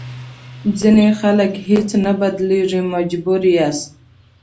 ځینې خلک هېڅ نه بدلېږي مجبور یاست.